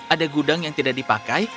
ada gudang yang tidak dipakai